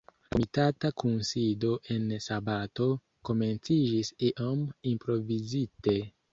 La komitata kunsido en sabato komenciĝis iom improvizite.